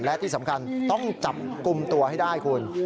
และที่สำคัญต้องจับกลุ่มตัวให้ได้คุณ